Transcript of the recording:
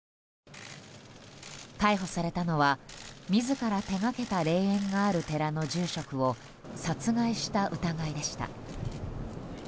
逮捕されたのは自ら手掛けた霊園がある寺の住職を殺害した疑いでした。